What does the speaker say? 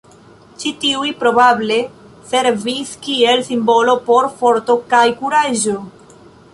Ĉi tiuj probable servis kiel simbolo por forto kaj kuraĝo.